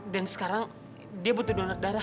dan sekarang dia butuh donor darah